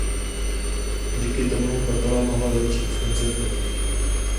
Díky tomu kapela mohla začít koncertovat.